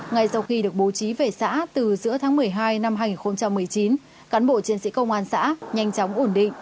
ngay sau khi được bố trí về xã từ giữa tháng một mươi hai năm hai nghìn một mươi chín cán bộ chiến sĩ công an xã nhanh chóng ổn định